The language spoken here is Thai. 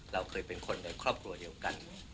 เราเคยเป็นคนในครอบครัวเดียวกัน